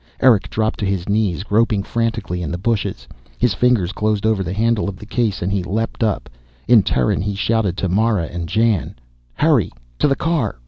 Erick dropped to his knees, groping frantically in the bushes. His fingers closed over the handle of the case and he leaped up. In Terran he shouted to Mara and Jan. "Hurry! To the car!